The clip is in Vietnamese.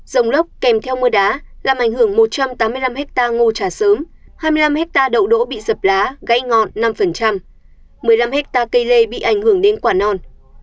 rồng lóc kèm theo mưa đá làm ảnh hưởng một trăm tám mươi năm ha ngô trà sớm hai mươi năm ha đậu đỗ bị sập lá gáy ngọn năm một mươi năm ha cây lê bị ảnh hưởng đến quả non